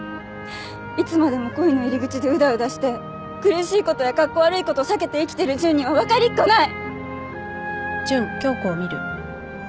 いつまでも恋の入り口でうだうだして苦しいことやかっこ悪いこと避けて生きてる純にはわかりっこない！